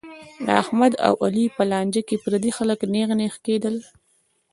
د احمد او علي په لانجه کې پردي خلک نېغ نېغ کېدل.